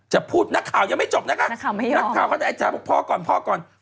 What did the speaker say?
จะพูดนักข่าวยังไม่จบนะคะนักข่าวก็ได้จ๋าบอกพ่อก่อนพ่อก่อน